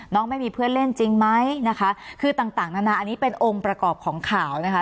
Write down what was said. ไม่มีเพื่อนเล่นจริงไหมนะคะคือต่างต่างนานาอันนี้เป็นองค์ประกอบของข่าวนะคะ